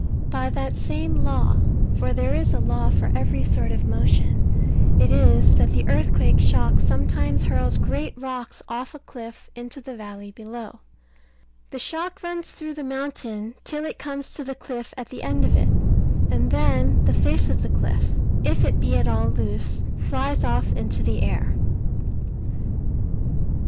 By that same law (for there is a law for every sort of motion) it is that the earthquake shock sometimes hurls great rocks off a cliff into the valley below. The shock runs through the mountain till it comes to the cliff at the end of it; and then the face of the cliff, if it be at all loose, flies off into the air.